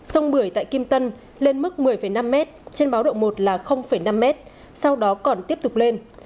sông bưởi tại kim tân lên mức một mươi năm m trên báo động một là năm m sau đó còn tiếp tục lên